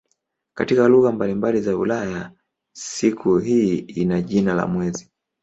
Katika lugha mbalimbali za Ulaya siku hii ina jina la "mwezi".